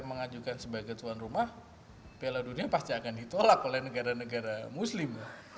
mengajukan sebagai tuan rumah piala dunia pasti akan ditolak oleh negara negara muslim